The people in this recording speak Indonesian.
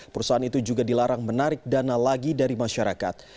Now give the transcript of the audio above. perusahaan itu juga dilarang menarik dana lagi dari masyarakat